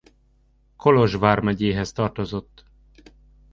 Kolozs vármegyéhez tartozott.